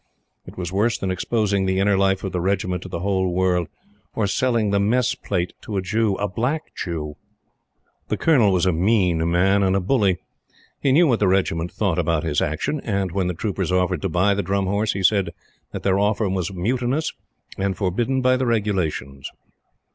It was worse than exposing the inner life of the Regiment to the whole world, or selling the Mess Plate to a Jew a black Jew. The Colonel was a mean man and a bully. He knew what the Regiment thought about his action; and, when the troopers offered to buy the Drum Horse, he said that their offer was mutinous and forbidden by the Regulations.